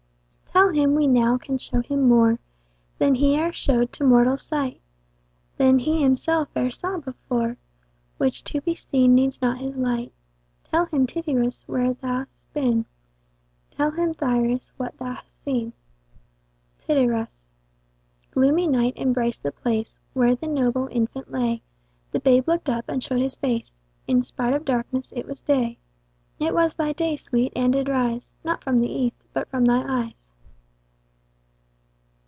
Tell him we now can show him more Than he e'er show'd to mortal sight, Than he himself e'er saw before, Which to be seen needs not his light: Tell him Tityrus where th' hast been, Tell him Thyrsis what th' hast seen. Tityrus. Gloomy night embrac'd the place Where the noble infant lay: The babe looked up, and show'd his face, In spite of darkness it was day. It was thy day, Sweet, and did rise, Not from the east, but from thy eyes.